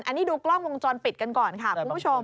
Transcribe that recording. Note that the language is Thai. อันนี้ดูกล้องวงจรปิดกันก่อนค่ะคุณผู้ชม